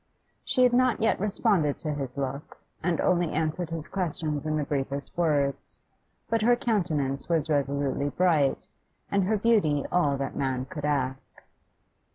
She had not yet responded to his look, and only answered his questions in the briefest words; but her countenance was resolutely bright, and her beauty all that man could ask.